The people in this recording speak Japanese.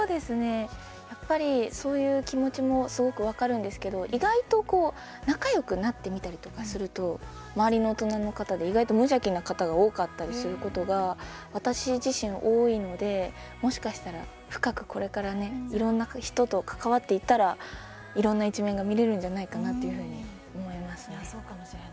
やっぱりそういう気持ちもすごく分かるんですけど意外と仲よくなってみたりとかすると周りの大人の方で意外と無邪気な方が多かったりすることが私自身、多いのでもしかしたら深くこれからいろんな人と関わっていったらいろんな一面が見れるんじゃないかなというふうに思いますね。